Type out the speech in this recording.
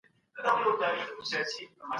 خلکو د خپلو ستونزو په اړه خبرې کولي.